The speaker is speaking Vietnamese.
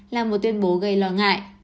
là một tuyên bố gây lo ngại